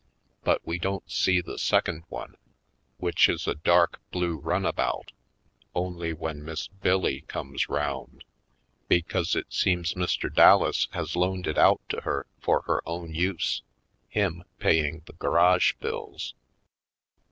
But we don't see the second one, which is a dark blue runabout, only when Miss Bill Lee comes round, because it seems Mr. Dallas has loaned it out to her for her own use, him paying the garage bills.